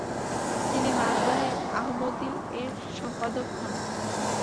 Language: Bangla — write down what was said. তিনি মাতবাহে আহমদি এর সম্পাদক হন।